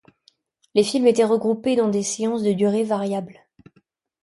Les films étaient regroupés dans des séances de durée variable.